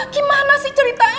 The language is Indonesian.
gimana sih ceritain